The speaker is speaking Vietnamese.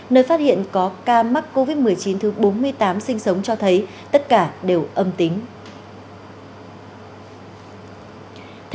nơi phát hiện có ca mắc covid một mươi chín thứ bốn mươi tám sinh sống cho thấy tất cả đều âm tính